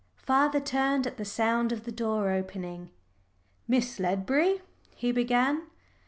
Father turned at the sound of the door opening. "Miss Ledbury," he began.